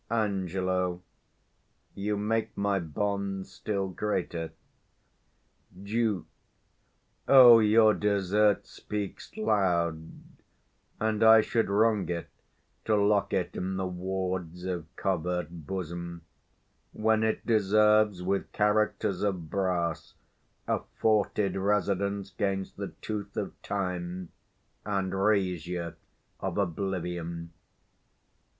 Ang. You make my bonds still greater. Duke. O, your desert speaks loud; and I should wrong it, To lock it in the wards of covert bosom, 10 When it deserves, with characters of brass, A forted residence 'gainst the tooth of time And razure of oblivion.